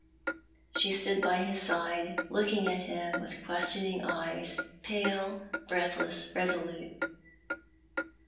She stood by his side, looking at him with questioning eyes, pale, breathless, resolule.